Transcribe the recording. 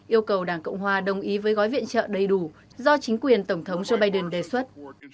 yêu cầu đảng cộng hòa đồng ý với gói viện trợ đầy đủ do chính quyền tổng thống joe biden đề xuất